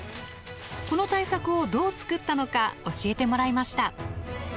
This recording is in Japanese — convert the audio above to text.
この大作をどう作ったのか教えてもらいました。